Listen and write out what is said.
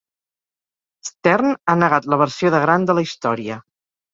Stern ha negat la versió de Grant de la història.